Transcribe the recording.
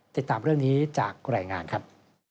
ติดตามเรื่องนี้จากรายงานครับ